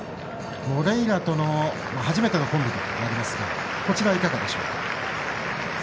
モレイラとの初めてのコンビとなりますがこちら、いかがでしょうか。